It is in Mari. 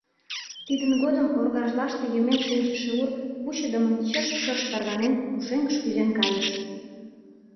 Тидын годым оргажлаште йымен шинчыше ур, вучыдымын чышт-чошт тарванен, пушеҥгыш кӱзен кайыш.